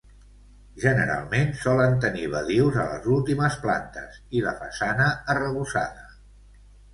Generalment solen tenir badius a les últimes plantes i la façana arrebossada.